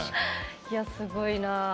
いやすごいなあ。